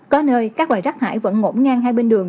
có nơi các loại rác thải vẫn ngổn ngang hai bên đường